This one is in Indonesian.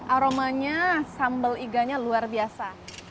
aromanya sambal iganya luar biasa